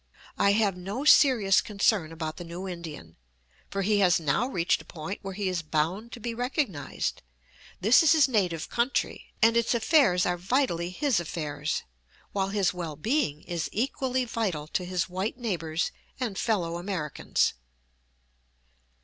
I have no serious concern about the new Indian, for he has now reached a point where he is bound to be recognized. This is his native country, and its affairs are vitally his affairs, while his well being is equally vital to his white neighbors and fellow Americans.